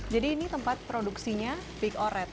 jadi ini tempat produksinya big oret